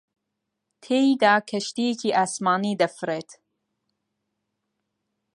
تێیدا کەشتییەکی ئاسمانی دەفڕێت